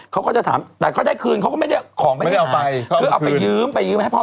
เขาก็จะถามแต่เขาได้คืนเขาก็ไม่ได้ของไปที่ไหน